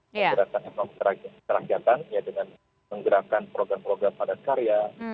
menggerakkan ekonomi kerakyatan dengan menggerakkan program program padat karya